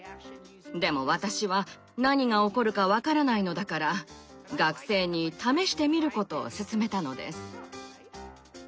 でも私は何が起こるか分からないのだから学生に試してみることを勧めたのです。